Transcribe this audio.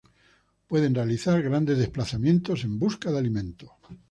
Pueden realizar grandes desplazamientos en busca de alimento.